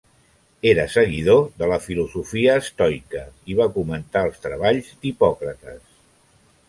Era seguidor de la filosofia estoica i va comentar els treballs d'Hipòcrates.